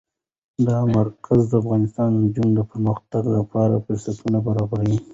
دا مرکز د افغان نجونو د پرمختګ لپاره فرصتونه برابروي.